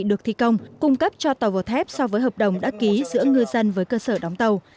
được thi công cung cấp cho tàu vỏ thép so với hợp đồng đã ký giữa ngư dân với cơ sở đóng tàu